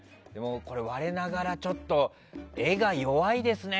これは我ながら、ちょっと画が弱いですね。